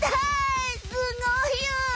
すごいよ。